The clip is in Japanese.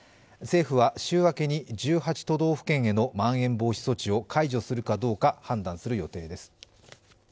政府は週明けに１８都道府県へのまん延防止措置を解除するかどうか判断する予定です。